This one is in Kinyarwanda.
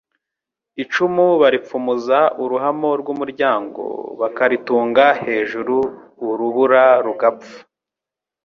icumu baripfumuza uruhamo rw’umuryango, bakaritunga hejuru, urubura rugapfa